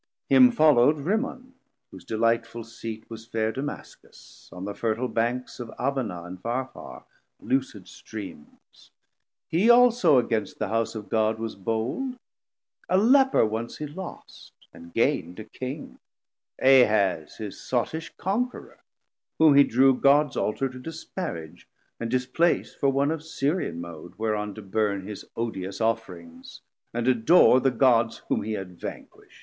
Him follow'd Rimmon, whose delightful Seat Was fair Damascus, on the fertil Banks Of Abbana and Pharphar, lucid streams. He also against the house of God was bold: 470 A Leper once he lost and gain'd a King, Ahaz his sottish Conquerour, whom he drew Gods Altar to disparage and displace For one of Syrian mode, whereon to burn His odious offrings, and adore the Gods Whom he had vanquisht.